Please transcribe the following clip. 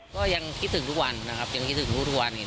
ก็ยังคิดถึงทุกวันนะครับยังคิดถึงทุกวันนี้